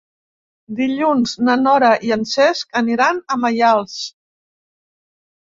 Dilluns na Nora i en Cesc aniran a Maials.